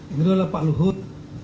itu adalah pak luhut